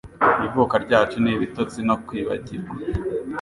Ivuka ryacu ni ibitotsi no kwibagirwa: